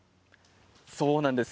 そうなんです。